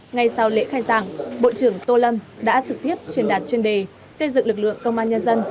ngay sau lễ khai giảng bộ trưởng tô lâm đã trực tiếp truyền đạt chuyên đề xây dựng lực lượng công an nhân dân